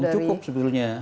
belum cukup sebetulnya